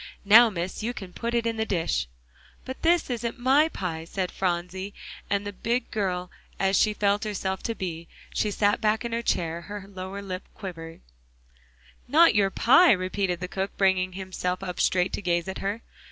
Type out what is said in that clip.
"Now, Miss, you can put it in the dish." "But is isn't my pie," said Phronsie, and, big girl as she felt herself to be, she sat back in her chair, her lower lip quivering. "Not your pie?" repeated the cook, bringing himself up straight to gaze at her.